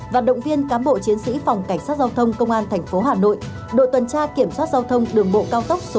và động viên cám bộ chiến sĩ phòng cảnh sát giao thông công an thành phố hà nội đội tuần tra kiểm soát giao thông đường bộ cao tốc số một